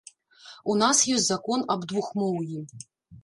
У нас ёсць закон аб двухмоўі.